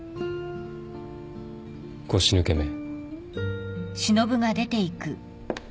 腰抜けめ。